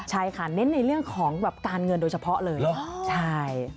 ใช่ค่ะเน้นในเรื่องของแบบการเงินโดยเฉพาะเลยใช่